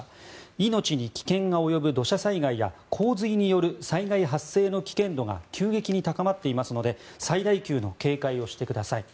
命に危険が及ぶ土砂災害や洪水による災害発生の危険度が急激に高まっていますので最大級の警戒をしてください。